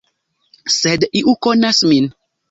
Sed iu konas min.